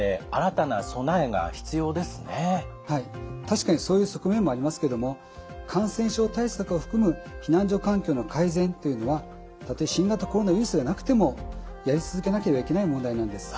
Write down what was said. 確かにそういう側面もありますけども感染症対策を含む避難所環境の改善というのはたとえ新型コロナウイルスがなくてもやり続けなければいけない問題なんです。